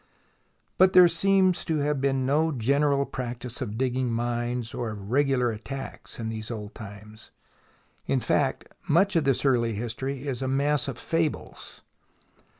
But there seems to have been no general practice of digging mines or of regular attacks in these old times. In fact, much of this early history is " a mass of fables."